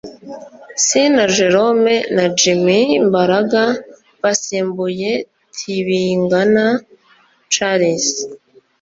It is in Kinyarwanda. Sina Gerome na Jimmy Mbaraga basimbuye Tibingana Charles